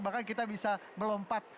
bahkan kita bisa melompat